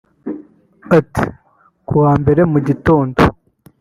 Ati "Ku wa mbere mu gitondo